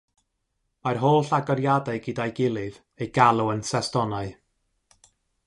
Mae'r holl agoriadau gyda'i gilydd eu galw yn sestonau.